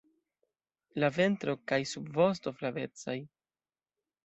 La ventro kaj subvosto flavecaj.